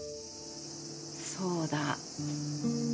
そうだ。